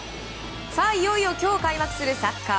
いよいよ今日開幕するサッカーＦＩＦＡ